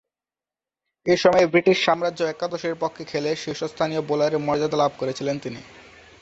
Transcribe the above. এ সময়ে ব্রিটিশ সাম্রাজ্য একাদশের পক্ষে খেলে শীর্ষস্থানীয় বোলারের মর্যাদা লাভ করেছিলেন তিনি।